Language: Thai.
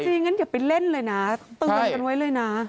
อย่างนั้นอย่าไปเล่นเลยนะเตือนกันไว้เลยนะ